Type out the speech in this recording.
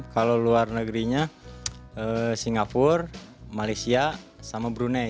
kalau luar negerinya singapura malaysia sama brunei